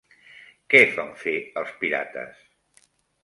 Què fan fer els pirates?